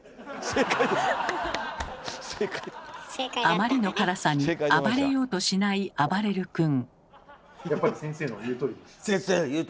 あまりの辛さに暴れようとしないあばれる君。